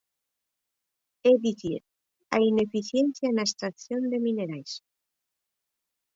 É dicir, a ineficiencia na extracción de minerais.